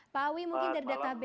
pak awi mungkin dari daka base